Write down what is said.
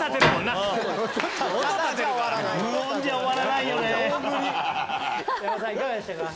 いかがでしたか？